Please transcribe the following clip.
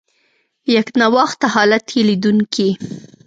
یکنواخته حالت یې لیدونکي.